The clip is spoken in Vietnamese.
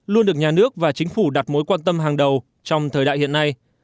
luôn được nhà nước và chính phủ đặt mối quan tâm hàng đầu trong thời đại hiện nay